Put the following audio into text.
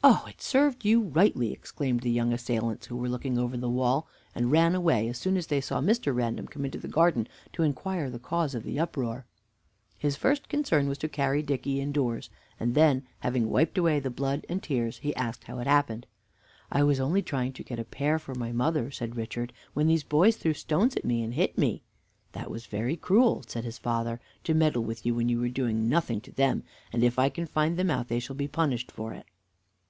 "Oh, it served you rightly!" exclaimed the young assailants, who were looking over the wall, and ran away as soon as they saw Mr. Random come into the garden to inquire the cause of the uproar. His first concern was to carry Dicky indoors, and then, having wiped away the blood and tears, he asked him how it happened. "I was only trying to get a pear for my mother," said Richard, "when these boys threw stones at me, and hit me!" "That was very cruel," said his father, "to meddle with you when you were doing nothing to them, and if I can find them out they shall be punished for it."